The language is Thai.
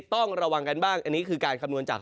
ต้องระวังกันบ้างอันนี้คือการคำนวณจาก